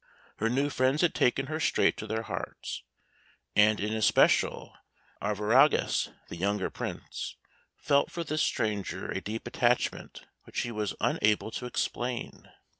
Her new friends had taken her straight to their hearts, and in especial Arviragus, the younger Prince, felt for this stranger a deep attachment which he was unable to explain.